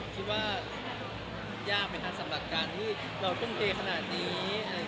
คิดว่ายากไหมคะสำหรับการที่เราทุ่มเทขนาดนี้